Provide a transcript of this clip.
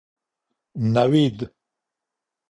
نوید